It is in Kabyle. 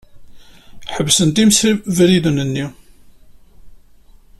Ḥebsen-d imsebriden-nni.